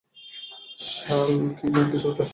শাল নাকি সোয়েটার?